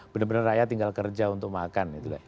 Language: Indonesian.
benar benar rakyat tinggal kerja untuk makan